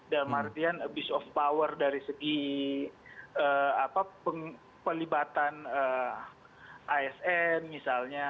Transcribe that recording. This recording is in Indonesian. dalam artian abuse of power dari segi pelibatan asn misalnya